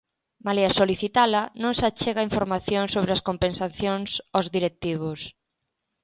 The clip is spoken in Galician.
Malia solicitala, non se achega información sobre as compensacións aos directivos.